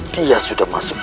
dia sudah masuk